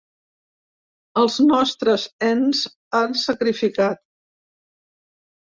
Els nostres ens han sacrificat.